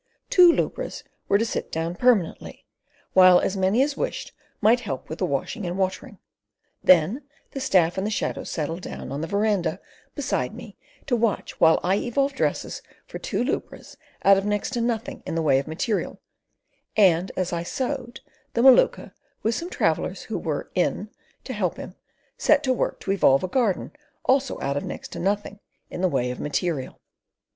Two lubras were to sit down permanently, while as many as wished might help with the washing and watering. Then the staff and the shadows settled down on the verandah beside me to watch while I evolved dresses for two lubras out of next to nothing in the way of material, and as I sewed, the Maluka, with some travellers who were "in" to help him, set to work to evolve a garden also out of next to nothing in the way of material.